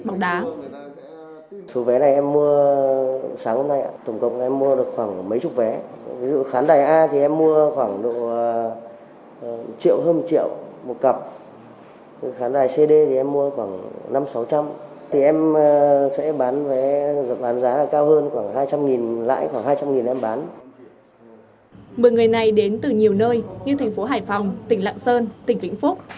một người này đến từ nhiều nơi như thành phố hải phòng tỉnh lạng sơn tỉnh vĩnh phúc